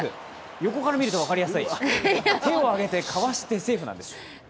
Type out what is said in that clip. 横から見ると分かりやすい、手を上げて、かわしてセーフなんです。